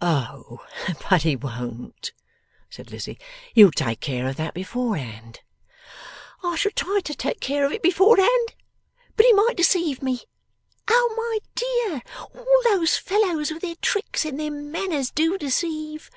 'Oh, but he won't,' said Lizzie. 'You'll take care of that, beforehand.' 'I shall try to take care of it beforehand, but he might deceive me. Oh, my dear, all those fellows with their tricks and their manners do deceive!